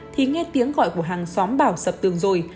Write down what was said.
thì nghe tiếng gọi của hàng xóm bảo sập tường rồi